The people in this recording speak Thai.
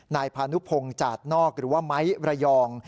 นายพานุพงศ์จาดนอกหรือว่าไม้ระยอง